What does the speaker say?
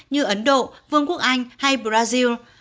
như ấn độ vương quốc anh hay brazil